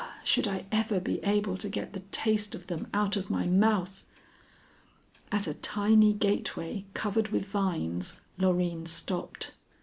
should I ever be able to get the taste of them out of my mouth! At a tiny gateway covered with vines, Loreen stopped.